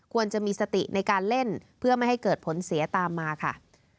ควรจะมีสติในการเล่นเพื่อไม่ให้เกิดผลเสียตามมาค่ะ